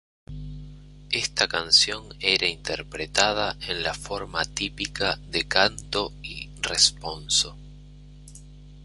Esta canción era interpretada en la forma típica de canto y responso.